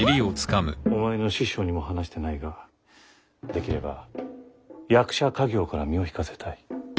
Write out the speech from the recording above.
お前の師匠にも話してないができれば役者稼業から身を引かせたい。